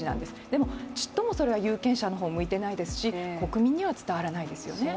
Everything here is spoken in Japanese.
でもそれはちっとも有権者の方は向いていないし国民には伝わらないですよね。